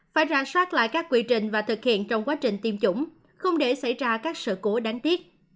phải ra soát lại các quy trình và thực hiện trong quá trình tiêm chủng không để xảy ra các sự cố đáng tiếc